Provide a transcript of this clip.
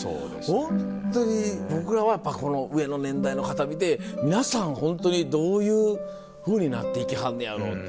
ホントに僕らはこの上の年代の方見て皆さんホントにどういうふうになっていきはんねやろうって。